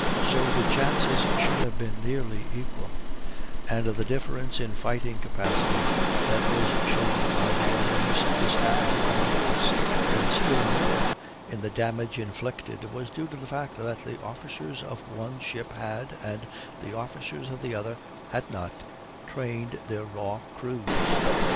So the chances should have been nearly equal, and the difference in fighting capacity that was shown by the enormous disparity in the loss, and still more in the damage inflicted, was due to the fact that the officers of one ship had, and the officers of the other had not, trained their raw crews.